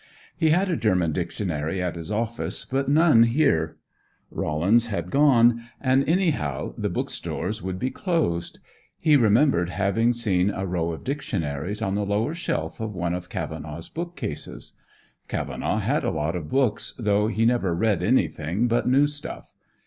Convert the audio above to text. He had a German dictionary at his office, but none here. Rollins had gone, and anyhow, the bookstores would be closed. He remembered having seen a row of dictionaries on the lower shelf of one of Cavenaugh's bookcases. Cavenaugh had a lot of books, though he never read anything but new stuff.